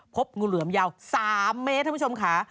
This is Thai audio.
พบงูเหลือมยาว๓เมตรท่านผู้ชมค่ะ